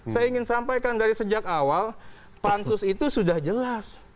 saya ingin sampaikan dari sejak awal pansus itu sudah jelas